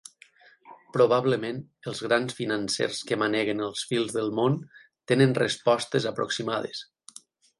Probablement, els grans financers que maneguen els fils del món tenen respostes aproximades.